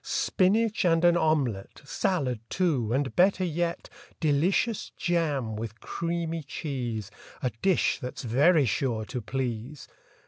Spinach and an omelette, Salad, too, and better yet Delicious jam with creamy cheese— A dish that's very sure to please!